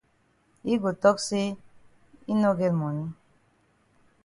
Yi go tok say yi no get moni.